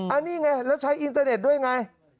อันนี้ไงแล้วใช้อินเตอร์เน็ตด้วยไง